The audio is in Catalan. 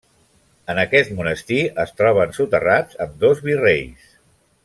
En aquest monestir es troben soterrats ambdós virreis.